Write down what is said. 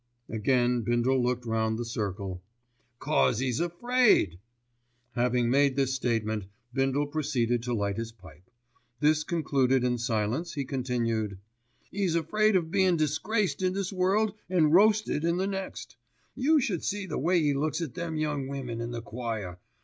Again Bindle looked round the circle. "'Cause 'e's afraid!" Having made this statement Bindle proceeded to light his pipe. This concluded in silence, he continued: "'E's afraid o' bein' disgraced in this world and roasted in the next. You should see the way 'e looks at them young women in the choir.